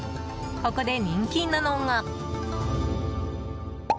ここで人気なのが。